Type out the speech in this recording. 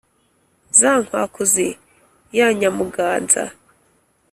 za nkwakuzi ya nyamuganza.